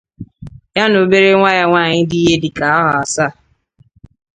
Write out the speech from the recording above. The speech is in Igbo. ya na obere nwa ya nwaanyị dị ihe dịka ahọ asaa.